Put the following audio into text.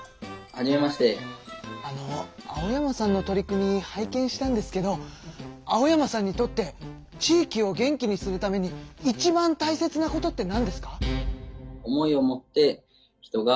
あの青山さんの取り組み拝見したんですけど青山さんにとって地域を元気にするためにいちばんたいせつなことってなんですか？